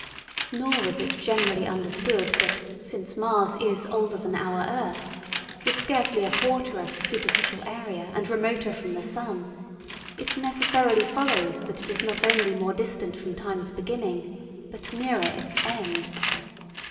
Nor was it generally understood that since Mars is older than our earth, with scarcely a quarter of the superficial area and remoter from the sun, it necessarily follows that it is not only more distant from time's beginning but nearer its end.